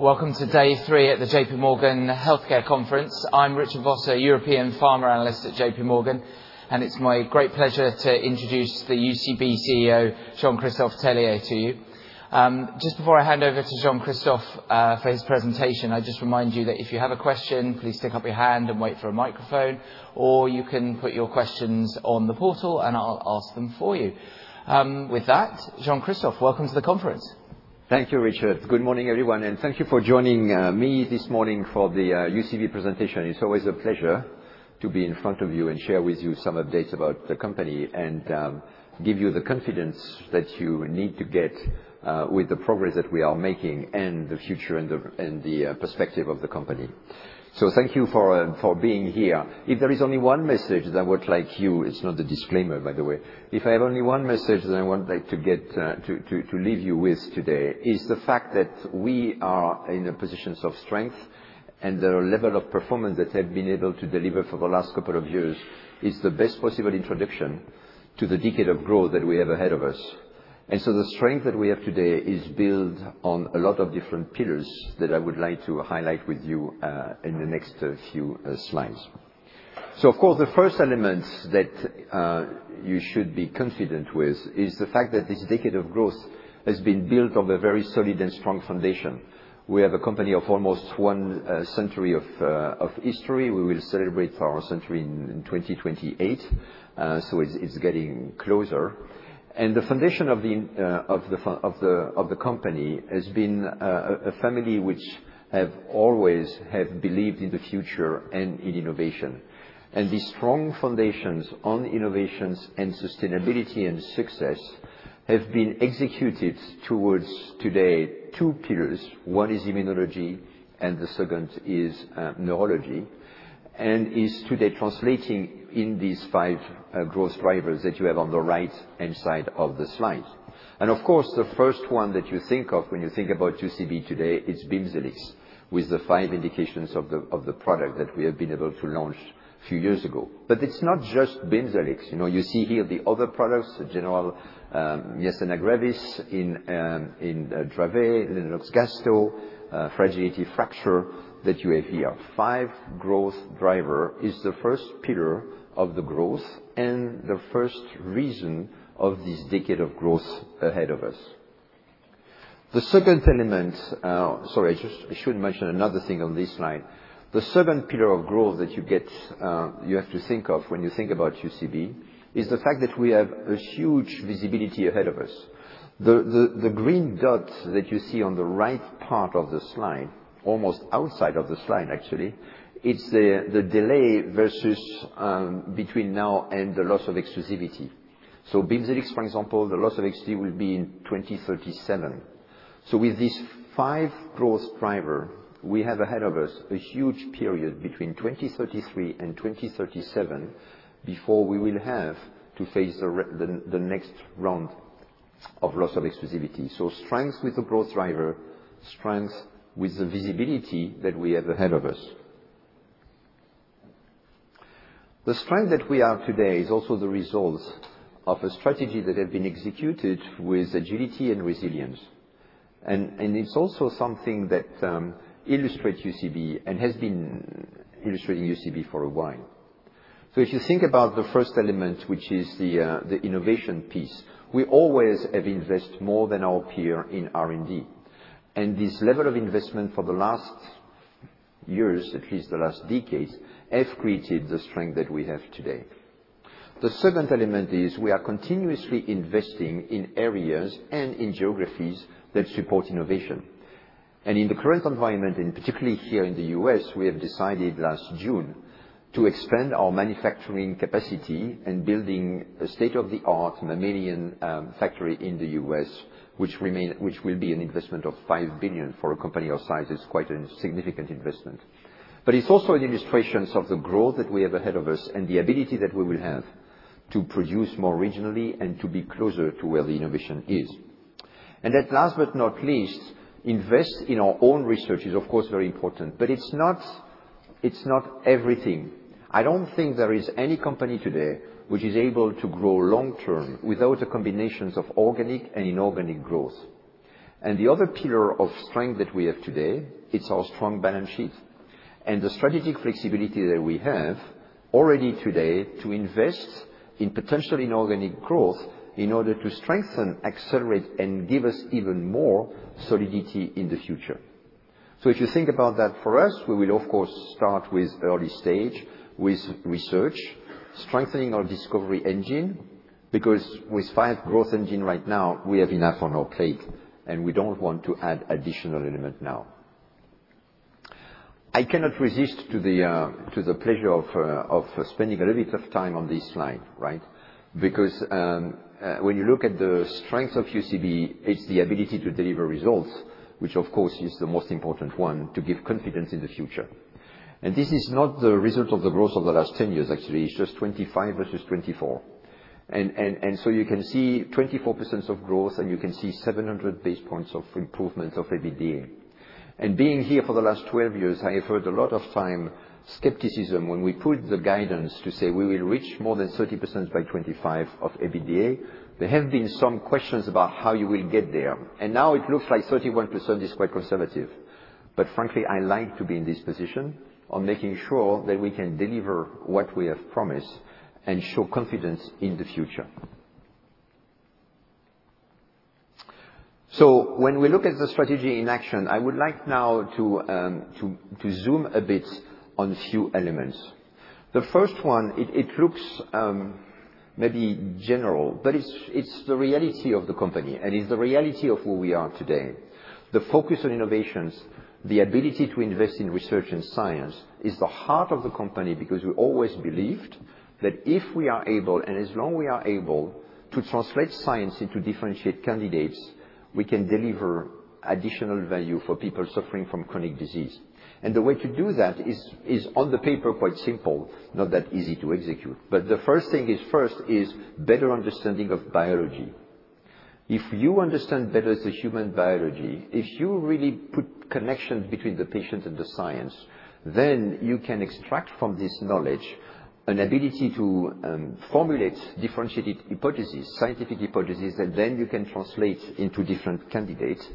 Welcome to Day 3 at the JP Morgan Healthcare Conference. I'm Richard Vosser, European Pharma Analyst at JP Morgan, and it's my great pleasure to introduce the UCB CEO, Jean-Christophe Tellier, to you. Just before I hand over to Jean-Christophe for his presentation, I just remind you that if you have a question, please stick up your hand and wait for a microphone, or you can put your questions on the portal, and I'll ask them for you. With that, Jean-Christophe, welcome to the conference. Thank you, Richard. Good morning, everyone, and thank you for joining me this morning for the UCB presentation. It's always a pleasure to be in front of you and share with you some updates about the company and give you the confidence that you need to get with the progress that we are making and the future and the perspective of the company, so thank you for being here. If there is only one message that I would like you (it's not a disclaimer, by the way) if I have only one message that I would like to leave you with today, it's the fact that we are in a position of strength, and the level of performance that we have been able to deliver for the last couple of years is the best possible introduction to the decade of growth that we have ahead of us. The strength that we have today is built on a lot of different pillars that I would like to highlight with you in the next few slides. So, of course, the first element that you should be confident with is the fact that this decade of growth has been built on a very solid and strong foundation. We have a company of almost one century of history. We will celebrate our century in 2028, so it's getting closer. The foundation of the company has been a family which has always believed in the future and in innovation. These strong foundations on innovations and sustainability and success have been executed towards today two pillars. One is immunology, and the second is neurology, and is today translating in these five growth drivers that you have on the right-hand side of the slide. Of course, the first one that you think of when you think about UCB today, it's BIMZELX, with the five indications of the product that we have been able to launch a few years ago. But it's not just BIMZELX. You see here the other products, generalized myasthenia gravis in Dravet, Lennox-Gastaut, fragility fracture that you have here. Five growth drivers is the first pillar of the growth and the first reason of this decade of growth ahead of us. The second element, sorry, I should mention another thing on this slide. The second pillar of growth that you have to think of when you think about UCB is the fact that we have a huge visibility ahead of us. The green dot that you see on the right part of the slide, almost outside of the slide, actually, it's the delay between now and the loss of exclusivity. BIMZELX, for example, the loss of exclusivity will be in 2037. So with these five growth drivers, we have ahead of us a huge period between 2033 and 2037 before we will have to face the next round of loss of exclusivity. So strength with the growth driver, strength with the visibility that we have ahead of us. The strength that we have today is also the result of a strategy that has been executed with agility and resilience. And it's also something that illustrates UCB and has been illustrating UCB for a while. So if you think about the first element, which is the innovation piece, we always have invested more than our peer in R&D. And this level of investment for the last years, at least the last decades, has created the strength that we have today. The second element is we are continuously investing in areas and in geographies that support innovation, and in the current environment, and particularly here in the U.S., we have decided last June to expand our manufacturing capacity and build a state-of-the-art mammalian factory in the U.S., which will be an investment of $5 billion for a company our size. It's quite a significant investment, but it's also an illustration of the growth that we have ahead of us and the ability that we will have to produce more regionally and to be closer to where the innovation is, and at last but not least, investing in our own research is, of course, very important, but it's not everything. I don't think there is any company today which is able to grow long-term without a combination of organic and inorganic growth. And the other pillar of strength that we have today, it's our strong balance sheet and the strategic flexibility that we have already today to invest in potential inorganic growth in order to strengthen, accelerate, and give us even more solidity in the future. So if you think about that, for us, we will, of course, start with early stage with research, strengthening our discovery engine, because with five growth engines right now, we have enough on our plate, and we don't want to add additional elements now. I cannot resist the pleasure of spending a little bit of time on this slide, right? Because when you look at the strength of UCB, it's the ability to deliver results, which, of course, is the most important one to give confidence in the future. And this is not the result of the growth of the last 10 years, actually. It's just 2025 versus 2024. So you can see 24% of growth, and you can see 700 basis points of improvement of EBITDA. Being here for the last 12 years, I have heard a lot of the time skepticism. When we put the guidance to say we will reach more than 30% by 2025 of EBITDA, there have been some questions about how you will get there. Now it looks like 31% is quite conservative. Frankly, I like to be in this position on making sure that we can deliver what we have promised and show confidence in the future. When we look at the strategy in action, I would like now to zoom a bit on a few elements. The first one, it looks maybe general, but it's the reality of the company, and it's the reality of where we are today. The focus on innovations, the ability to invest in research and science, is the heart of the company because we always believed that if we are able, and as long we are able, to translate science into differentiated candidates, we can deliver additional value for people suffering from chronic disease. And the way to do that is, on paper, quite simple, not that easy to execute. But the first thing is, first, better understanding of biology. If you understand better the human biology, if you really put connections between the patient and the science, then you can extract from this knowledge an ability to formulate differentiated hypotheses, scientific hypotheses, that then you can translate into different candidates.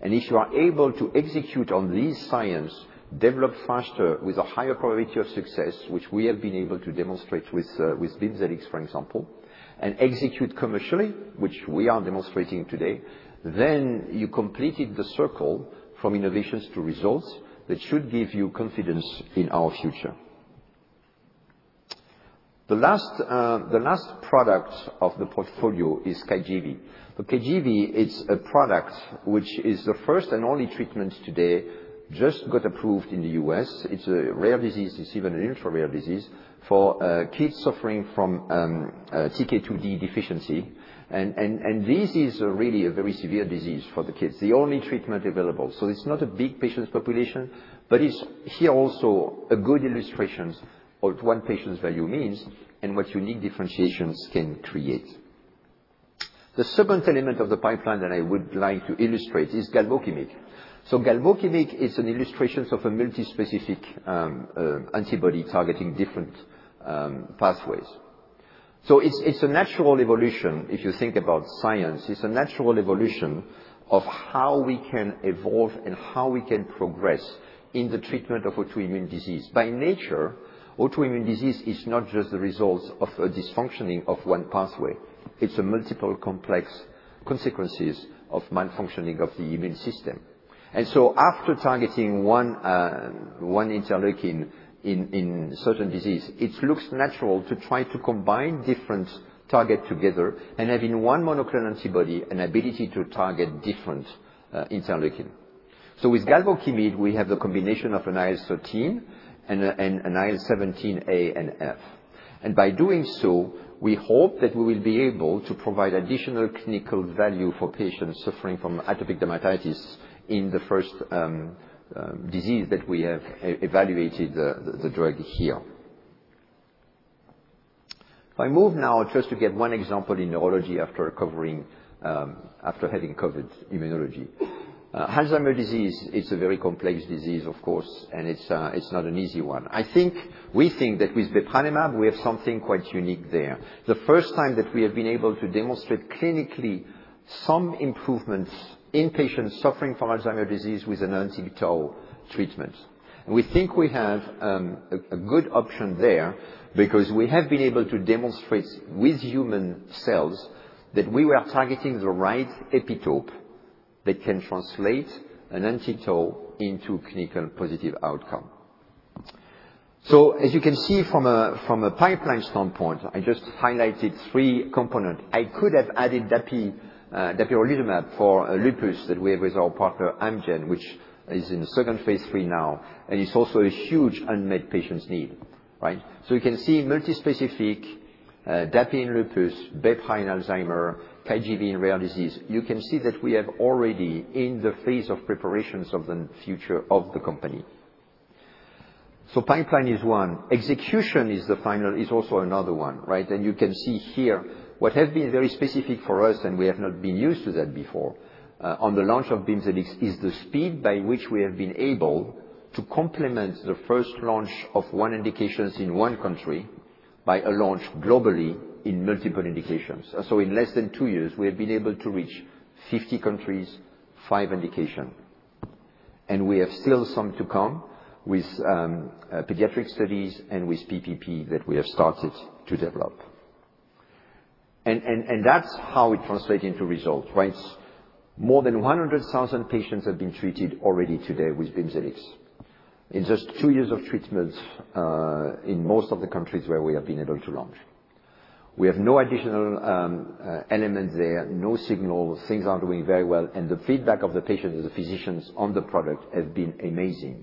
If you are able to execute on these sciences, develop faster with a higher probability of success, which we have been able to demonstrate with BIMZELX, for example, and execute commercially, which we are demonstrating today, then you completed the circle from innovations to results that should give you confidence in our future. The last product of the portfolio is KYGEVVI. KYGEVVI is a product which is the first and only treatment today. Just got approved in the U.S. It's a rare disease. It's even an ultra-rare disease for kids suffering from TK2d deficiency. And this is really a very severe disease for the kids. The only treatment available. So it's not a big patient population, but it's here also a good illustration of what one patient's value means and what unique differentiations can create. The second element of the pipeline that I would like to illustrate is galvokimig. Galvokimig is an illustration of a multispecific antibody targeting different pathways. It's a natural evolution. If you think about science, it's a natural evolution of how we can evolve and how we can progress in the treatment of autoimmune disease. By nature, autoimmune disease is not just the result of a dysfunctioning of one pathway. It's multiple complex consequences of malfunctioning of the immune system. And so after targeting one interleukin in certain disease, it looks natural to try to combine different targets together and have in one monoclonal antibody an ability to target different interleukin. With galvokimig, we have the combination of an IL-13 and an IL-17A and F. And by doing so, we hope that we will be able to provide additional clinical value for patients suffering from atopic dermatitis in the first disease that we have evaluated the drug here. If I move now just to get one example in neurology after having covered immunology. Alzheimer's disease is a very complex disease, of course, and it's not an easy one. We think that with bepranemab, we have something quite unique there, the first time that we have been able to demonstrate clinically some improvements in patients suffering from Alzheimer's disease with an anti-tau treatment, and we think we have a good option there because we have been able to demonstrate with human cells that we were targeting the right epitope that can translate an anti-tau into a clinical positive outcome, so as you can see from a pipeline standpoint, I just highlighted three components. I could have added dapirolizumab for lupus that we have with our partner, Biogen, which is in the second Phase III now, and it's also a huge unmet patient's need, right? You can see multispecific, dapirolizumab pegol in lupus, bepranemab in Alzheimer, KYGEVVI in rare disease. You can see that we have already in the phase of preparations of the future of the company. Pipeline is one. Execution is also another one, right? And you can see here what has been very specific for us, and we have not been used to that before, on the launch of BIMZELX, is the speed by which we have been able to complement the first launch of one indication in one country by a launch globally in multiple indications. In less than two years, we have been able to reach 50 countries, five indications. And we have still some to come with pediatric studies and with PPP that we have started to develop. And that's how it translates into results, right? More than 100,000 patients have been treated already today with BIMZELX in just two years of treatment in most of the countries where we have been able to launch. We have no additional elements there, no signal. Things are going very well. The feedback of the patients and the physicians on the product has been amazing,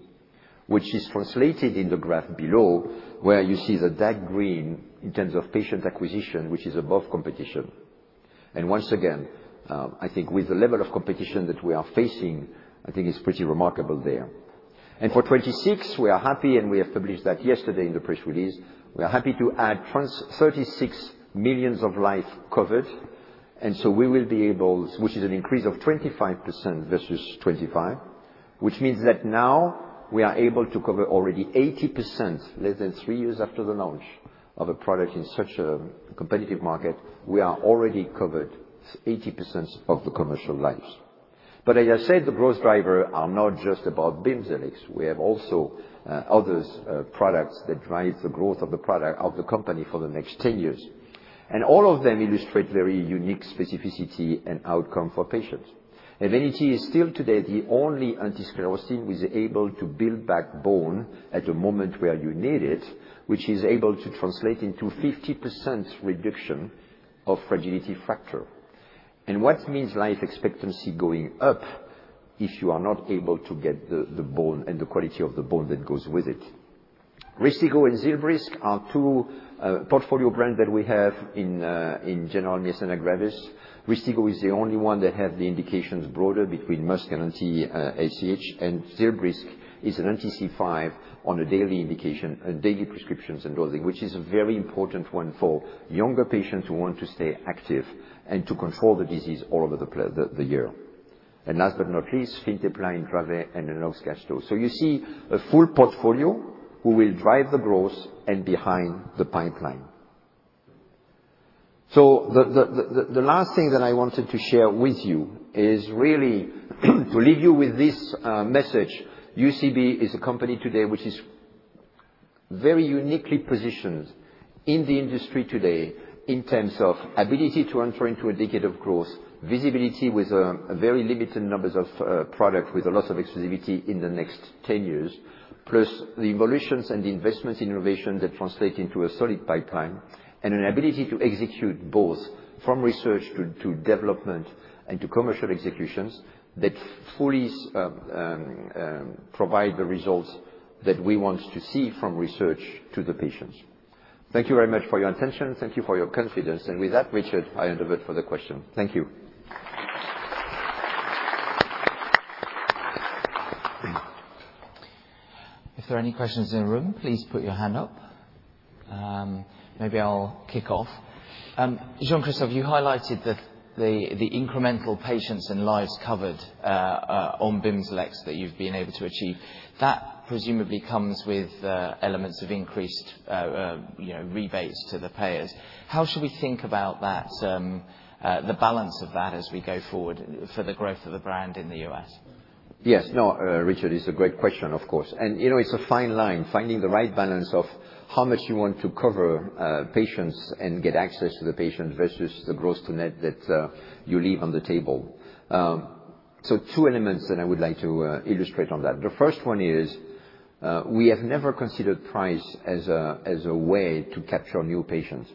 which is translated in the graph below where you see the dark green in terms of patient acquisition, which is above competition. Once again, I think with the level of competition that we are facing, I think it's pretty remarkable there. For 2026, we are happy, and we have published that yesterday in the press release. We are happy to add 36 million lives covered. And so we will be able, which is an increase of 25% versus 25, which means that now we are able to cover already 80%, less than three years after the launch of a product in such a competitive market. We are already covered 80% of the commercial lives. But as I said, the growth drivers are not just about BIMZELX. We have also other products that drive the growth of the company for the next 10 years. And all of them illustrate very unique specificity and outcome for patients. EVENITY is still today the only anti-sclerostin which is able to build back bone at a moment where you need it, which is able to translate into 50% reduction of fragility fracture. And what means life expectancy going up if you are not able to get the bone and the quality of the bone that goes with it. RYSTIGGO and ZILBRYSQ are two portfolio brands that we have in generalized myasthenia gravis. RYSTIGGO is the only one that has the indications broader between MuSK and anti-AChR, and ZILBRYSQ is an anti-C5 on a daily indication, daily prescriptions and dosing, which is a very important one for younger patients who want to stay active and to control the disease all over the year. And last but not least, FINTEPLA and BRIVIACT and EVENITY. So you see a full portfolio who will drive the growth and behind the pipeline. So the last thing that I wanted to share with you is really to leave you with this message. UCB is a company today which is very uniquely positioned in the industry today in terms of ability to enter into a decade of growth, visibility with very limited numbers of products with a lot of exclusivity in the next 10 years, plus the evolutions and the investments in innovation that translate into a solid pipeline, and an ability to execute both from research to development and to commercial executions that fully provide the results that we want to see from research to the patients. Thank you very much for your attention. Thank you for your confidence. And with that, Richard, I hand over for the question. Thank you. If there are any questions in the room, please put your hand up. Maybe I'll kick off. Jean-Christophe, you highlighted the incremental patients and lives covered on BIMZELX that you've been able to achieve. That presumably comes with elements of increased rebates to the payers. How should we think about that, the balance of that as we go forward for the growth of the brand in the U.S.? Yes. No, Richard, it's a great question, of course. And it's a fine line, finding the right balance of how much you want to cover patients and get access to the patients versus the gross to net that you leave on the table. So two elements that I would like to illustrate on that. The first one is we have never considered price as a way to capture new patients.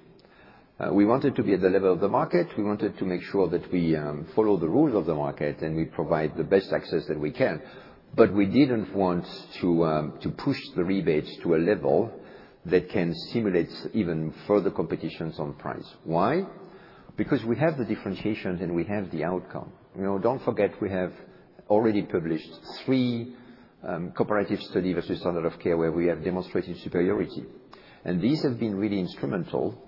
We wanted to be at the level of the market. We wanted to make sure that we follow the rules of the market, and we provide the best access that we can. But we didn't want to push the rebates to a level that can stimulate even further competitions on price. Why? Because we have the differentiations, and we have the outcome. Don't forget we have already published three cooperative studies versus standard of care where we have demonstrated superiority. These have been really instrumental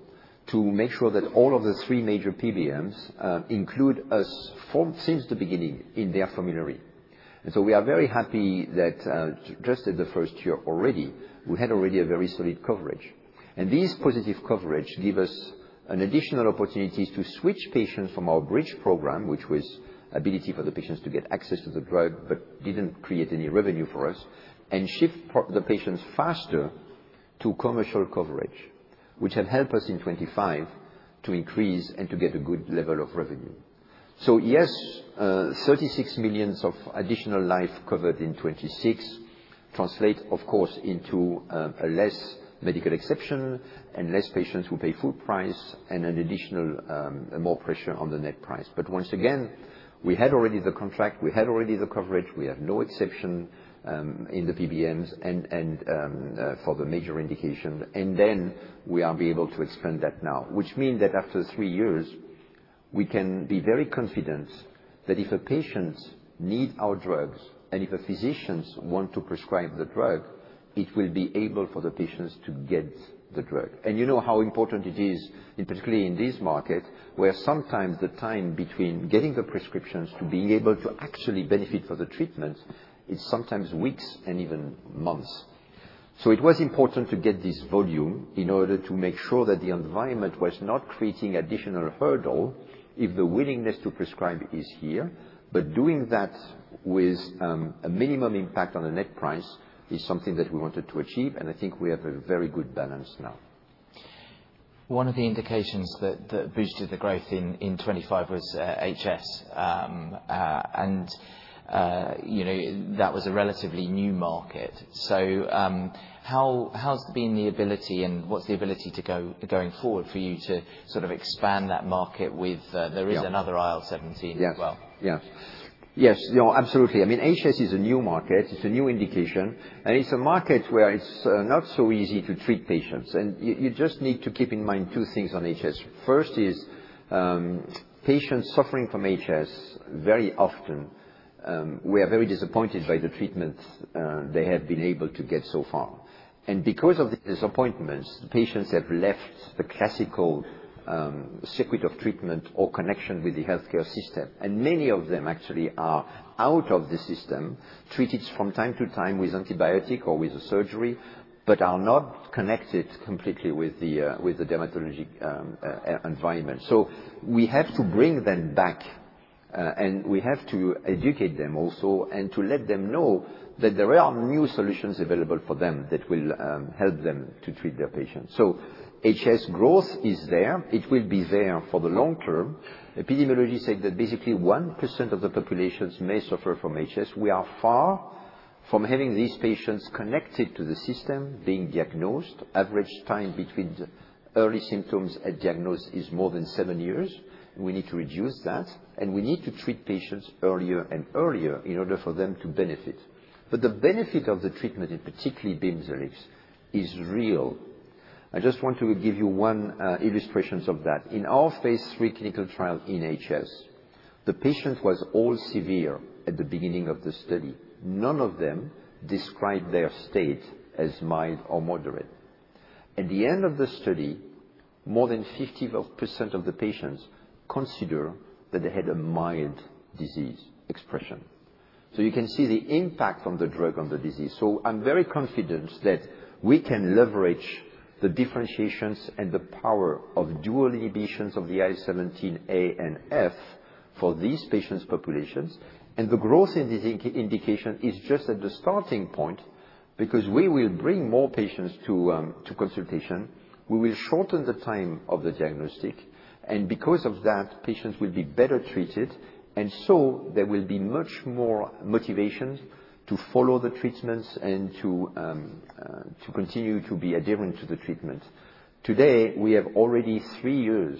to make sure that all of the three major PBMs include us since the beginning in their formulary. And so we are very happy that just at the first year already, we had already a very solid coverage. And these positive coverages give us an additional opportunity to switch patients from our bridge program, which was ability for the patients to get access to the drug but didn't create any revenue for us, and shift the patients faster to commercial coverage, which have helped us in 2025 to increase and to get a good level of revenue. So yes, 36 million additional lives covered in 2026 translate, of course, into fewer medical exceptions and fewer patients who pay full price and additional pressure on the net price. But once again, we had already the contract. We had already the coverage. We have no exception in the PBMs and for the major indication, and then we are able to expand that now, which means that after three years, we can be very confident that if a patient needs our drugs and if the physicians want to prescribe the drug, it will be able for the patients to get the drug, and you know how important it is, particularly in this market, where sometimes the time between getting the prescriptions to being able to actually benefit for the treatment is sometimes weeks and even months, so it was important to get this volume in order to make sure that the environment was not creating additional hurdle if the willingness to prescribe is here, but doing that with a minimum impact on the net price is something that we wanted to achieve, and I think we have a very good balance now. One of the indications that boosted the growth in 2025 was HS. And that was a relatively new market. So how's been the ability and what's the ability going forward for you to sort of expand that market with there is another IL-17 as well? Yes. Yes. Yes. No, absolutely. I mean, HS is a new market. It's a new indication. And it's a market where it's not so easy to treat patients. And you just need to keep in mind two things on HS. First is patients suffering from HS very often, we are very disappointed by the treatments they have been able to get so far. And because of the disappointments, patients have left the classical circuit of treatment or connection with the healthcare system. And many of them actually are out of the system, treated from time to time with antibiotic or with a surgery, but are not connected completely with the dermatologic environment. So we have to bring them back, and we have to educate them also and to let them know that there are new solutions available for them that will help them to treat their patients. HS growth is there. It will be there for the long term. Epidemiology said that basically 1% of the populations may suffer from HS. We are far from having these patients connected to the system, being diagnosed. Average time between early symptoms and diagnosis is more than seven years. We need to reduce that, and we need to treat patients earlier and earlier in order for them to benefit, but the benefit of the treatment, and particularly BIMZELX, is real. I just want to give you one illustration of that. In our Phase III clinical trial in HS, the patients were all severe at the beginning of the study. None of them described their state as mild or moderate. At the end of the study, more than 50% of the patients considered that they had a mild disease expression. You can see the impact of the drug on the disease. I'm very confident that we can leverage the differentiations and the power of dual inhibition of the IL-17A and IL-17F for these patient populations. The growth in this indication is just at the starting point because we will bring more patients to consultation. We will shorten the time of the diagnostic. Because of that, patients will be better treated. There will be much more motivation to follow the treatments and to continue to be adherent to the treatment. Today, we have already three years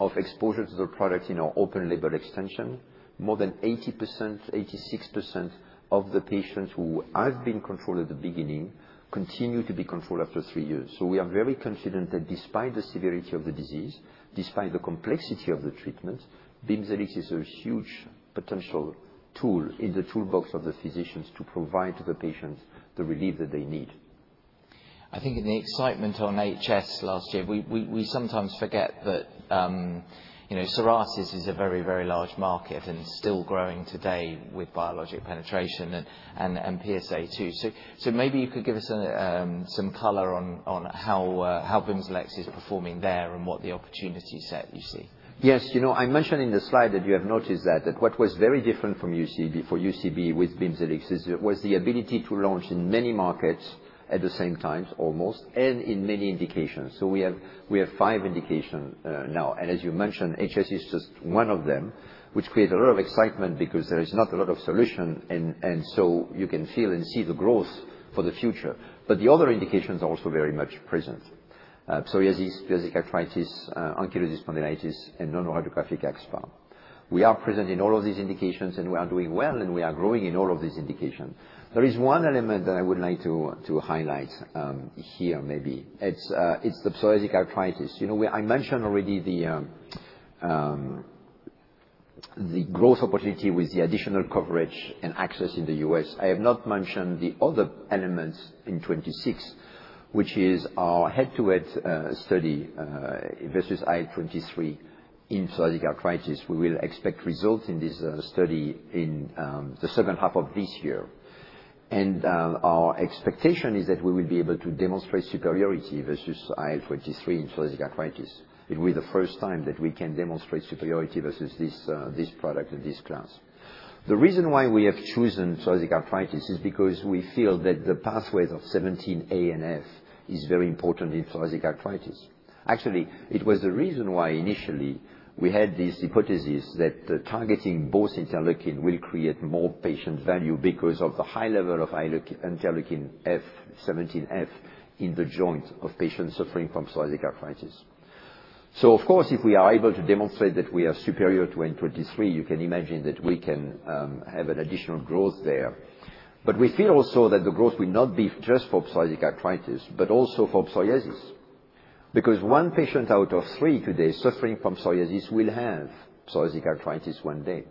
of exposure to the product in our open label extension. More than 80%, 86% of the patients who have been controlled at the beginning continue to be controlled after three years. We are very confident that despite the severity of the disease, despite the complexity of the treatment, BIMZELX is a huge potential tool in the toolbox of the physicians to provide to the patients the relief that they need. I think in the excitement on HS last year, we sometimes forget that psoriasis is a very, very large market and still growing today with biologic penetration and PsA too. So maybe you could give us some color on how BIMZELX is performing there and what the opportunity set you see? Yes. I mentioned in the slide that you have noticed that what was very different from UCB before UCB with BIMZELX was the ability to launch in many markets at the same times almost and in many indications, so we have five indications now, and as you mentioned, HS is just one of them, which creates a lot of excitement because there is not a lot of solution, and so you can feel and see the growth for the future, but the other indications are also very much present: psoriasis, psoriatic arthritis, ankylosing spondylitis, and non-radiographic axSpA. We are present in all of these indications, and we are doing well, and we are growing in all of these indications. There is one element that I would like to highlight here maybe. It's the psoriatic arthritis. I mentioned already the growth opportunity with the additional coverage and access in the U.S. I have not mentioned the other elements in 2026, which is our head-to-head study versus IL-23 in psoriatic arthritis. We will expect results in this study in the second half of this year, and our expectation is that we will be able to demonstrate superiority versus IL-23 in psoriatic arthritis. It will be the first time that we can demonstrate superiority versus this product in this class. The reason why we have chosen psoriatic arthritis is because we feel that the pathways of IL-17A and IL-17F is very important in psoriatic arthritis. Actually, it was the reason why initially we had this hypothesis that targeting both interleukin will create more patient value because of the high level of IL-17F in the joint of patients suffering from psoriatic arthritis. So of course, if we are able to demonstrate that we are superior to IL-23, you can imagine that we can have an additional growth there. But we feel also that the growth will not be just for psoriatic arthritis, but also for psoriasis. Because one patient out of three today suffering from psoriasis will have psoriatic arthritis one day.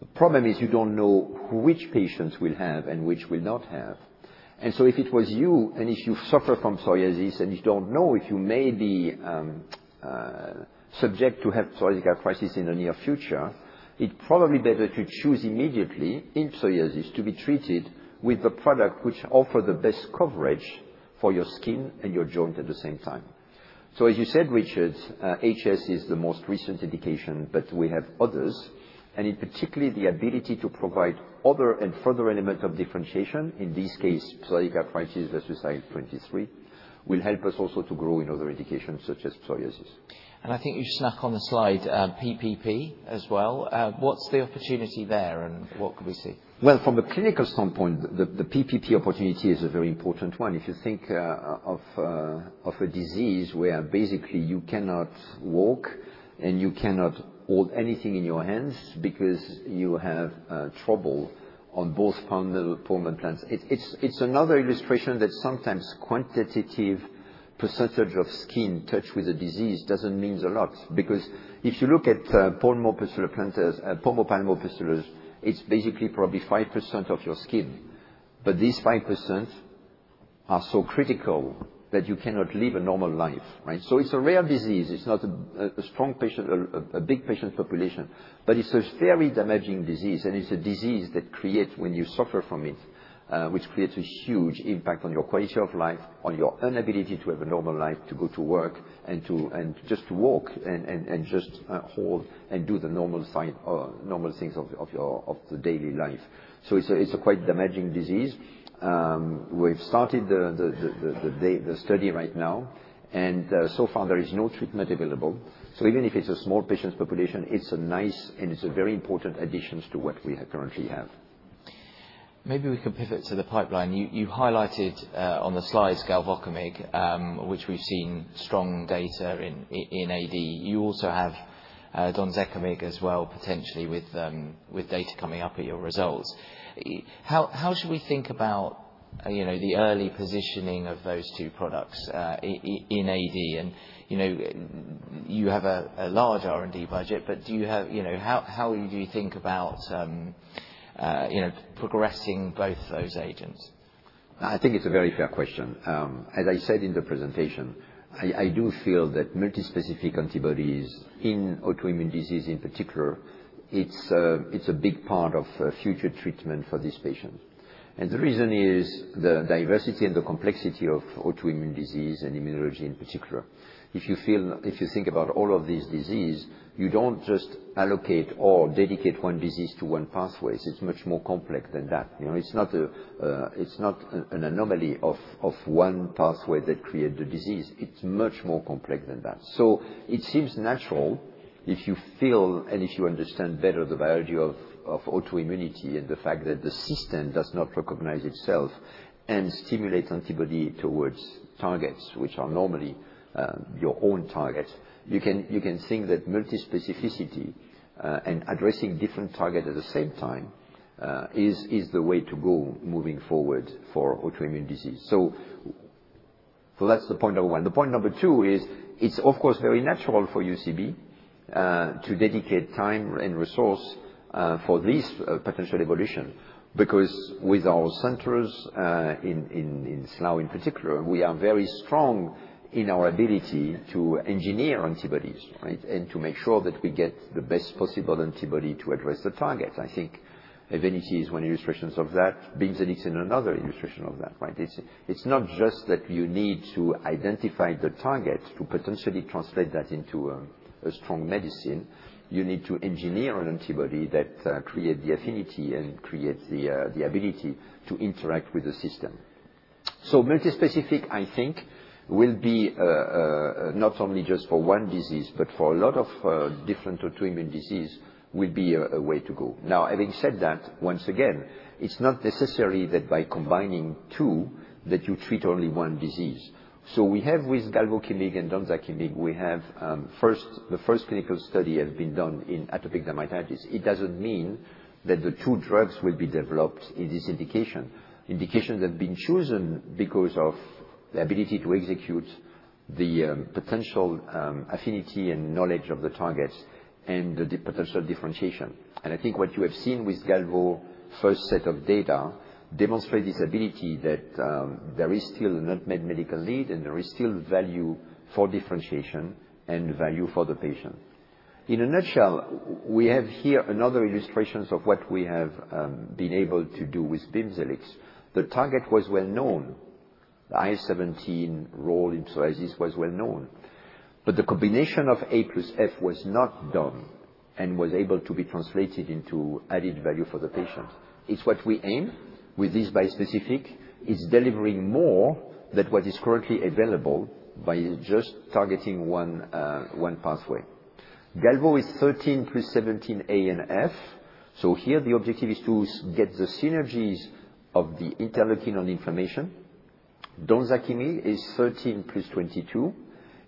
The problem is you don't know which patients will have and which will not have. And so if it was you and if you suffer from psoriasis and you don't know if you may be subject to have psoriatic arthritis in the near future, it's probably better to choose immediately in psoriasis to be treated with the product which offers the best coverage for your skin and your joint at the same time. So as you said, Richard, HS is the most recent indication, but we have others. In particular, the ability to provide other and further elements of differentiation, in this case, psoriatic arthritis versus IL-23, will help us also to grow in other indications such as psoriasis. I think you snuck on the slide PPP as well. What's the opportunity there and what could we see? From a clinical standpoint, the PPP opportunity is a very important one. If you think of a disease where basically you cannot walk and you cannot hold anything in your hands because you have trouble on both palmar and plantar. It's another illustration that sometimes quantitative percentage of skin touched with the disease doesn't mean a lot. Because if you look at palmoplantar pustulosis, it's basically probably 5% of your skin. But these 5% are so critical that you cannot live a normal life. So it's a rare disease. It's not a big patient population. But it's a very damaging disease. It's a disease that creates when you suffer from it, which creates a huge impact on your quality of life, on your inability to have a normal life, to go to work, and just to walk and just hold and do the normal things of the daily life. It's a quite damaging disease. We've started the study right now. So far, there is no treatment available. Even if it's a small patient population, it's a nice and it's a very important addition to what we currently have. Maybe we could pivot to the pipeline. You highlighted on the slides galvokimig, which we've seen strong data in AD. You also have donzakimig as well, potentially, with data coming up at your results. How should we think about the early positioning of those two products in AD? And you have a large R&D budget, but how do you think about progressing both those agents? I think it's a very fair question. As I said in the presentation, I do feel that multispecific antibodies in autoimmune disease in particular, it's a big part of future treatment for these patients. And the reason is the diversity and the complexity of autoimmune disease and immunology in particular. If you think about all of these diseases, you don't just allocate or dedicate one disease to one pathway. It's much more complex than that. It's not an anomaly of one pathway that creates the disease. It's much more complex than that. So it seems natural if you feel and if you understand better the biology of autoimmunity and the fact that the system does not recognize itself and stimulates antibody towards targets, which are normally your own targets. You can think that multispecificity and addressing different targets at the same time is the way to go moving forward for autoimmune disease. So that's the point number one. The point number two is it's, of course, very natural for UCB to dedicate time and resource for this potential evolution. Because with our centers in Slough in particular, we are very strong in our ability to engineer antibodies and to make sure that we get the best possible antibody to address the target. I think EVENITY is one illustration of that. BIMZELX is another illustration of that. It's not just that you need to identify the target to potentially translate that into a strong medicine. You need to engineer an antibody that creates the affinity and creates the ability to interact with the system. So multispecific, I think, will be not only just for one disease, but for a lot of different autoimmune diseases will be a way to go. Now, having said that, once again, it's not necessary that by combining two that you treat only one disease. So we have with galvokimig and donzakimig, we have the first clinical study has been done in atopic dermatitis. It doesn't mean that the two drugs will be developed in this indication. Indications have been chosen because of the ability to execute the potential affinity and knowledge of the targets and the potential differentiation. And I think what you have seen with galvo, first set of data demonstrates this ability that there is still an unmet medical need and there is still value for differentiation and value for the patient. In a nutshell, we have here another illustration of what we have been able to do with BIMZELX. The target was well known. The IL-17 role in psoriasis was well known, but the combination of A plus F was not done and was able to be translated into added value for the patient. It's what we aim with this bispecific. It's delivering more than what is currently available by just targeting one pathway. Galvo is 13 plus 17A and F, so here, the objective is to get the synergies of the interleukin on inflammation. Donzakimig is 13 plus 22,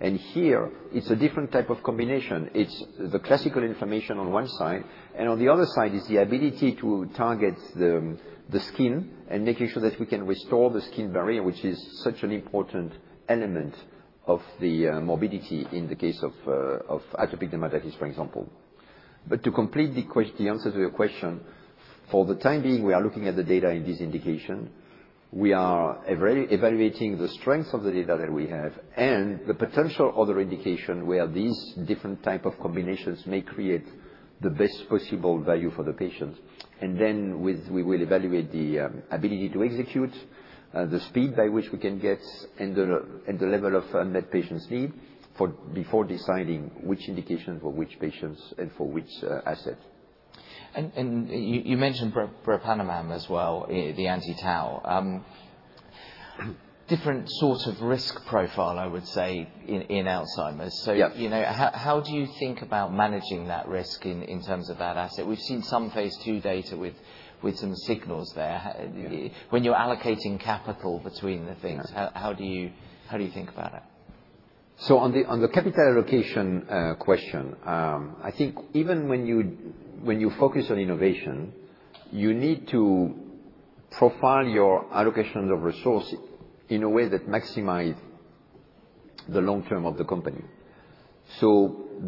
and here, it's a different type of combination. It's the classical inflammation on one side. And on the other side is the ability to target the skin and making sure that we can restore the skin barrier, which is such an important element of the morbidity in the case of atopic dermatitis, for example. But to complete the answer to your question, for the time being, we are looking at the data in this indication. We are evaluating the strength of the data that we have and the potential other indication where these different types of combinations may create the best possible value for the patient. And then we will evaluate the ability to execute, the speed by which we can get, and the level of unmet patients' need before deciding which indication for which patients and for which asset. You mentioned bepranemab as well, the anti-tau. Different sort of risk profile, I would say, in Alzheimer's. So how do you think about managing that risk in terms of that asset? We've seen some Phase II data with some signals there. When you're allocating capital between the things, how do you think about it? On the capital allocation question, I think even when you focus on innovation, you need to profile your allocation of resources in a way that maximizes the long term of the company.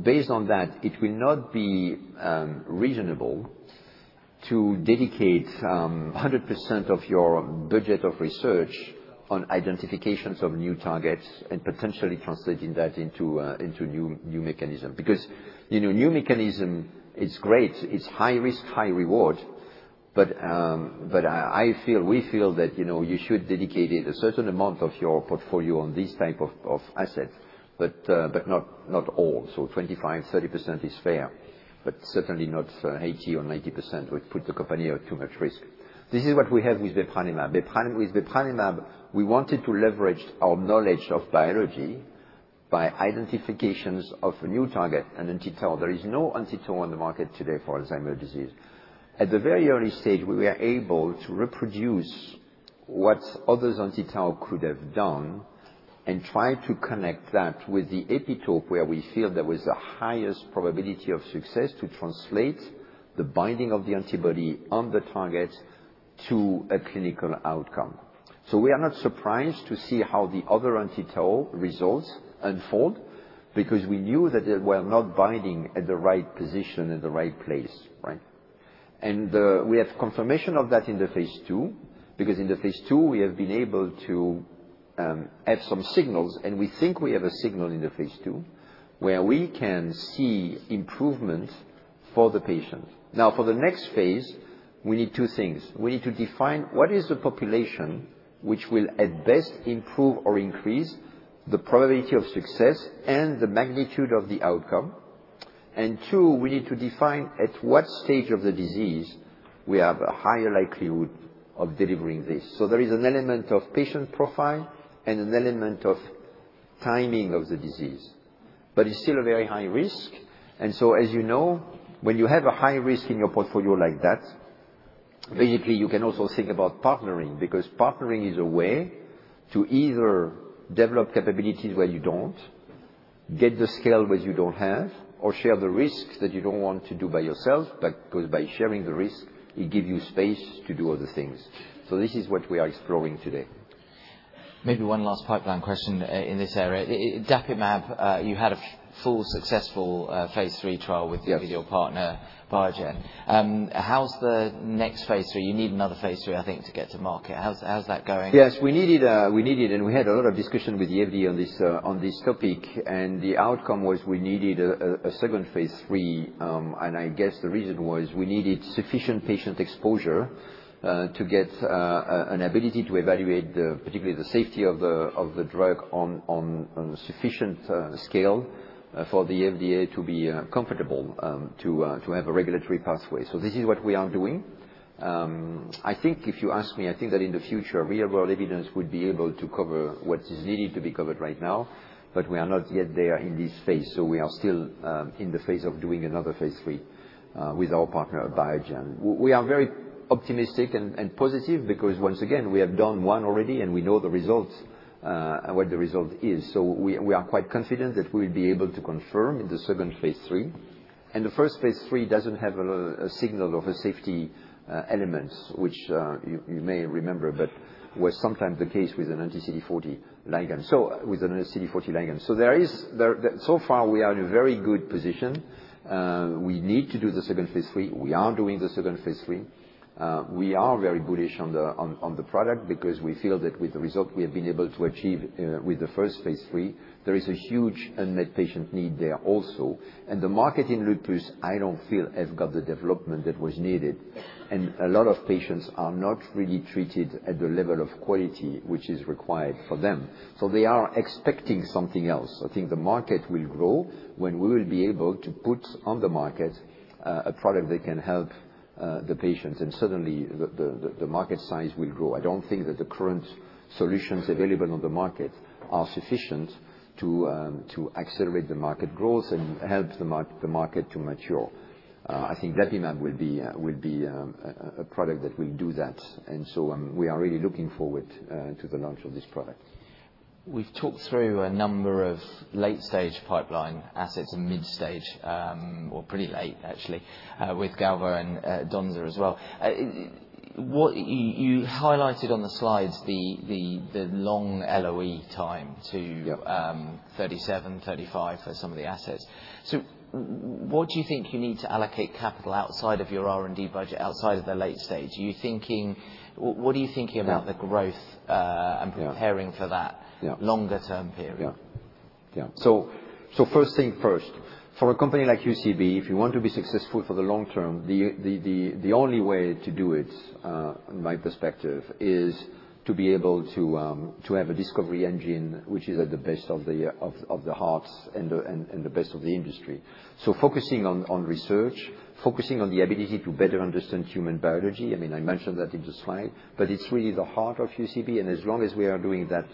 Based on that, it will not be reasonable to dedicate 100% of your budget of research on identifications of new targets and potentially translating that into new mechanism. Because new mechanism, it's great. It's high risk, high reward. We feel that you should dedicate a certain amount of your portfolio on these types of assets, but not all. 25%-30% is fair. Certainly not 80% or 90% would put the company at too much risk. This is what we have with bepranemab. With bepranemab, we wanted to leverage our knowledge of biology by identifications of a new target, an anti-tau. There is no anti-tau on the market today for Alzheimer's disease. At the very early stage, we were able to reproduce what other anti-tau could have done and try to connect that with the epitope where we feel there was the highest probability of success to translate the binding of the antibody on the target to a clinical outcome. So we are not surprised to see how the other anti-tau results unfold because we knew that they were not binding at the right position in the right place. And we have confirmation of that in the Phase II. Because in the Phase II, we have been able to have some signals. And we think we have a signal in the Phase II where we can see improvement for the patient. Now, for the next phase, we need two things. We need to define what is the population which will at best improve or increase the probability of success and the magnitude of the outcome. And two, we need to define at what stage of the disease we have a higher likelihood of delivering this. So there is an element of patient profile and an element of timing of the disease. But it's still a very high risk. And so, as you know, when you have a high risk in your portfolio like that, basically, you can also think about partnering. Because partnering is a way to either develop capabilities where you don't, get the skill where you don't have, or share the risks that you don't want to do by yourself. Because by sharing the risk, it gives you space to do other things. So this is what we are exploring today. Maybe one last pipeline question in this area. Dapirolizumab pegol, you had a full successful Phase III trial with your partner, Biogen. How's the next Phase III? You need another Phase III, I think, to get to market. How's that going? Yes. We needed and we had a lot of discussion with the FDA on this topic. And the outcome was we needed a second Phase III. And I guess the reason was we needed sufficient patient exposure to get an ability to evaluate particularly the safety of the drug on a sufficient scale for the FDA to be comfortable to have a regulatory pathway. So this is what we are doing. I think if you ask me, I think that in the future, real-world evidence would be able to cover what is needed to be covered right now. But we are not yet there in this phase. So we are still in the phase of doing another Phase III with our partner, Biogen. We are very optimistic and positive because, once again, we have done one already and we know the result and what the result is. So we are quite confident that we will be able to confirm in the second Phase III. And the first Phase III doesn't have a signal of a safety element, which you may remember, but was sometimes the case with an anti-CD40 ligand. So with an anti-CD40 ligand. So so far, we are in a very good position. We need to do the second Phase III. We are doing the second Phase III. We are very bullish on the product because we feel that with the result we have been able to achieve with the first Phase III, there is a huge unmet patient need there also. And the market in lupus, I don't feel has got the development that was needed. And a lot of patients are not really treated at the level of quality which is required for them. So they are expecting something else. I think the market will grow when we will be able to put on the market a product that can help the patient. And certainly, the market size will grow. I don't think that the current solutions available on the market are sufficient to accelerate the market growth and help the market to mature. I think dapirolizumab will be a product that will do that. And so we are really looking forward to the launch of this product. We've talked through a number of late-stage pipeline assets and mid-stage, or pretty late actually, with galvo and donzer as well. You highlighted on the slides the long LOE time to 2037, 2035 for some of the assets. So what do you think you need to allocate capital outside of your R&D budget, outside of the late stage? What are you thinking about the growth and preparing for that longer-term period? Yeah, so first thing first, for a company like UCB, if you want to be successful for the long term, the only way to do it, in my perspective, is to be able to have a discovery engine which is at the best of the hearts and the best of the industry, so focusing on research, focusing on the ability to better understand human biology. I mean, I mentioned that in the slide, but it's really the heart of UCB, and as long as we are doing that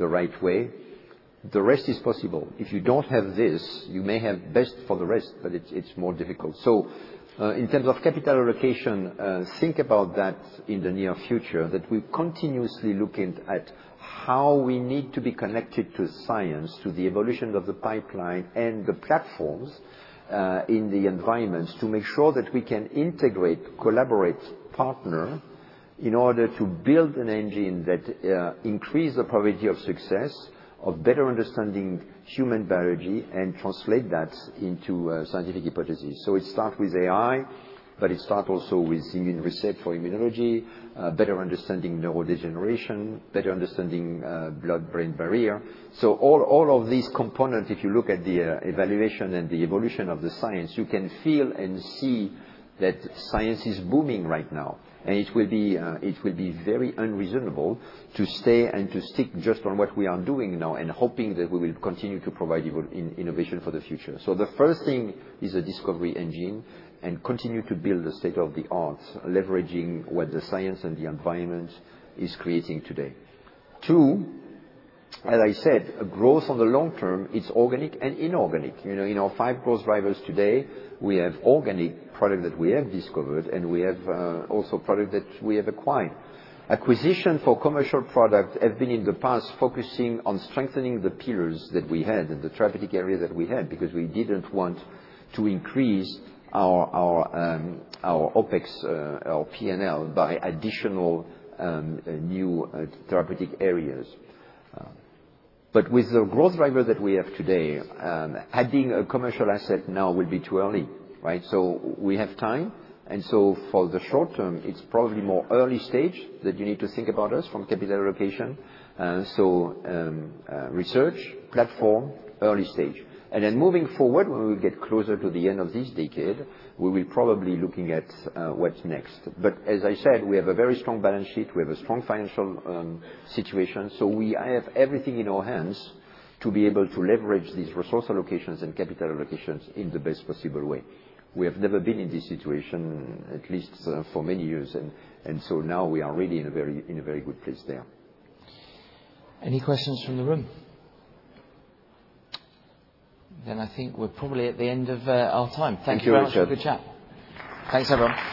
the right way, the rest is possible. If you don't have this, you may have best for the rest, but it's more difficult. So in terms of capital allocation, think about that in the near future, that we're continuously looking at how we need to be connected to science, to the evolution of the pipeline and the platforms in the environments to make sure that we can integrate, collaborate, partner in order to build an engine that increases the probability of success, of better understanding human biology, and translate that into scientific hypotheses. So it starts with AI, but it starts also with immune research for immunology, better understanding neurodegeneration, better understanding blood-brain barrier. So all of these components, if you look at the evaluation and the evolution of the science, you can feel and see that science is booming right now. And it will be very unreasonable to stay and to stick just on what we are doing now and hoping that we will continue to provide innovation for the future. So the first thing is a discovery engine and continue to build the state of the art, leveraging what the science and the environment is creating today. Two, as I said, growth on the long term, it's organic and inorganic. In our five growth drivers today, we have organic products that we have discovered and we have also products that we have acquired. Acquisition for commercial products has been in the past focusing on strengthening the pillars that we had and the therapeutic area that we had because we didn't want to increase our OpEx, our P&L, by additional new therapeutic areas. But with the growth driver that we have today, adding a commercial asset now will be too early. So we have time. And so for the short term, it's probably more early stage that you need to think about us from capital allocation. So research, platform, early stage. And then moving forward, when we get closer to the end of this decade, we will probably be looking at what's next. But as I said, we have a very strong balance sheet. We have a strong financial situation. So we have everything in our hands to be able to leverage these resource allocations and capital allocations in the best possible way. We have never been in this situation, at least for many years. And so now we are really in a very good place there. Any questions from the room? Then I think we're probably at the end of our time. Thank you very much for the chat. Thank you, Richard. Thanks, everyone.